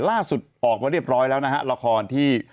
ล่าสุดออกมาเรียบร้อยแล้วนะฮะละครที่